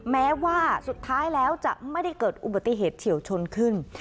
แม้ว่าสุดท้ายแล้วจะไม่ได้เกิดอุบัติเหตุเฉียวชนขึ้น